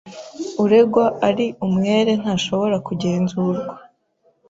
Uregwa ari umwere ntashobora kugenzurwa.